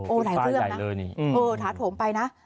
โอ้หลายเรื่องนะท้าโทมไปนะ